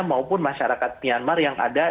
maupun masyarakat myanmar yang ada